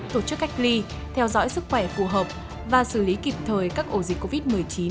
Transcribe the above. tổ chức cách ly theo dõi sức khỏe phù hợp và xử lý kịp thời các ổ dịch covid một mươi chín